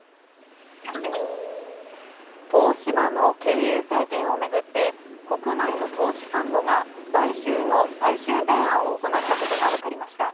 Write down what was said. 東芝の経営再建をめぐって国内の投資ファンドが買収の最終提案を行ったことが分かりました。